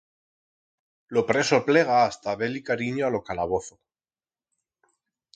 Lo preso plega hasta a haber-li carinyo a lo calabozo.